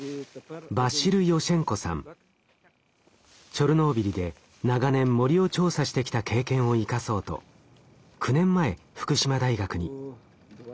チョルノービリで長年森を調査してきた経験を生かそうと９年前福島大学に。